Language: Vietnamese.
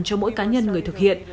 cho mỗi cá nhân người thực hiện